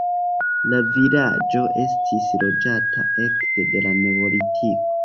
La vilaĝo estis loĝata ekde la neolitiko.